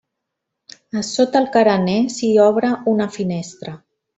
A sota el carener s'hi obre una finestra.